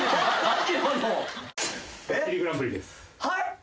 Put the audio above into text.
はい！？